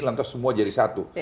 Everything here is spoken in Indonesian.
lantas semua jadi satu